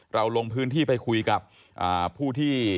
ลงพื้นที่ไปคุยกับผู้ที่